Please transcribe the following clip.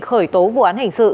khởi tố vụ án hành sự